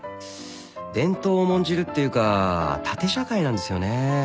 伝統を重んじるっていうか縦社会なんですよね。